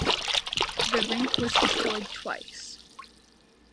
The rink was destroyed "twice".